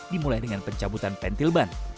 dimulai dengan pencabutan pentil ban